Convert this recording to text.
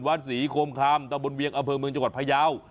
วัดศรีโคมคามตะบนเบียงอเผลิงเมืองจังหวัดพยาว